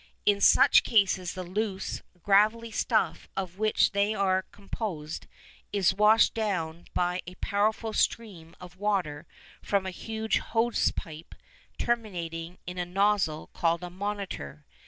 In such cases the loose, gravelly stuff of which they are composed is washed down by a powerful stream of water from a huge hose pipe terminating in a nozzle called a "monitor."